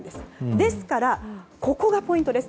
ですから、ここがポイントです。